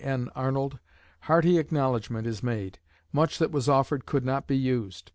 N. Arnold hearty acknowledgment is made. Much that was offered could not be used.